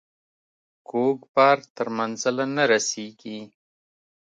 کوږ بار تر منزله نه رسیږي.